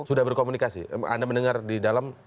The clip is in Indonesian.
sudah berkomunikasi anda mendengar di dalam